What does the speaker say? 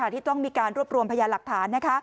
ที่ต้องมีการรวบรวมพยานหลักฐาน